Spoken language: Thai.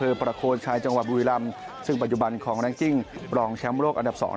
เอ็นนะฮาชิค